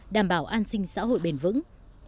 đảm bảo an sinh xã hội bền vững